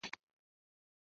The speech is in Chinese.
圣费利。